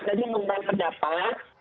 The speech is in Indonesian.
jadi memandang pendapat